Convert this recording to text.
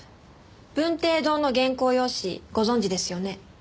文綴堂の原稿用紙ご存じですよね？